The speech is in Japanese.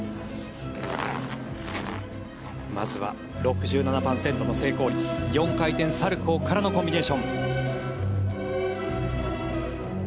まずは６７％の成功率４回転サルコウからのコンビネーション。